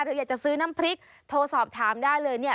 หรืออยากจะซื้อน้ำพริกโทรสอบถามได้เลยเนี่ย